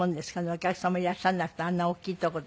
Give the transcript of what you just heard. お客様がいらっしゃらなくてあんなおっきいとこで。